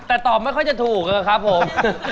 แต่ตอบไม่ค่อยจะถูกนะครับผม